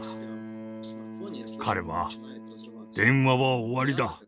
彼は「電話は終わりだ。